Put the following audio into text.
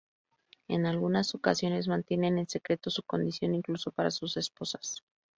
En algunas ocasiones, mantienen en secreto su condición incluso para sus esposas.